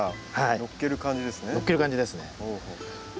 載っける感じですね。